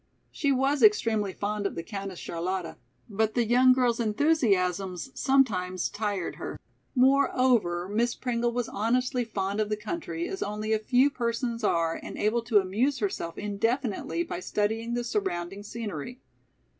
She was extremely fond of the Countess Charlotta, but the young girl's enthusiasms sometimes tired her. Moreover, Miss Pringle was honestly fond of the country as only a few persons are and able to amuse herself indefinitely by studying the surrounding scenery.